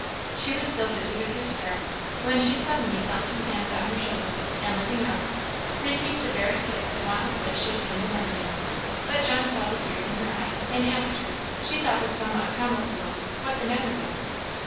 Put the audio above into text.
She was still busy with her stirrup, when she suddenly felt two hands on her shoulders, and looking up, received the very kiss the want of which she had been lamenting. But John saw the tears in her eyes, and asked her, she thought with somewhat a comical look, what the matter was.